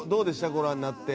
ご覧になって？